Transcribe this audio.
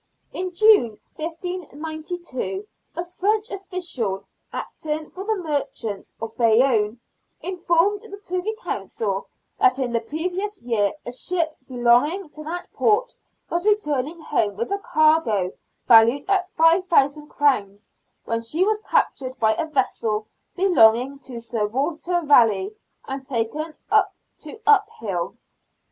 In June, 1592, a French official, acting for the merchants of Bayonne, informed the Privy Council that in the previous year a ship belong ing to that port was returning home with a cargo valued at 5,000 crowns, when she was captured by a vessel belonging to Sir Walter Raleigh, and taken to Uphill, PIRATICAL EXPLOITS. IQ l